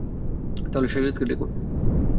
তাহলে সাজ্জাদকে ডাকো।